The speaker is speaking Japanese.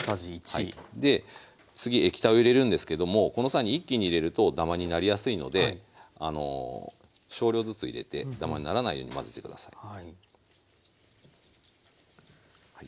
で次液体を入れるんですけどもこの際に一気に入れるとダマになりやすいので少量ずつ入れてダマにならないように混ぜて下さい。